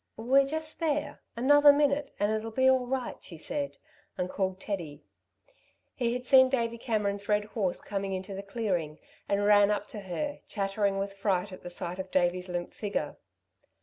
"We're just there another minute and it'll be all right," she said, and called Teddy. He had seen Davey Cameron's red horse coming into the clearing, and ran up to her, chattering with fright at the sight of Davey's limp figure.